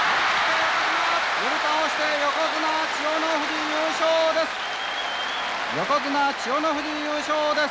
寄り倒して横綱千代の富士優勝です。